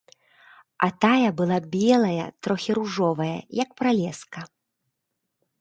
А тая была белая, трохі ружовая, як пралеска.